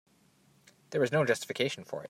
There was no justification for it.